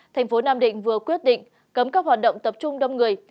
thành phố nam định vừa quyết định cấm các hoạt động tập trung đông người